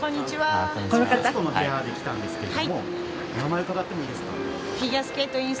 「『徹子の部屋』で来たんですけれどもお名前伺ってもいいですか？」